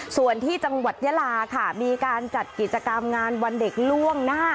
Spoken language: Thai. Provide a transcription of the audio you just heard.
ส่วนที่จังหวัดยาลาค่ะมีการจัดกิจกรรมงานวันเด็กล่วงหน้า